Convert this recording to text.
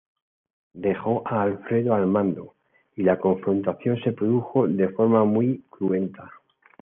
Dejó a Alfredo al mando, y la confrontación se produjo de forma muy cruenta.